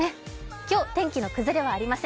今日、天気の崩れはありません。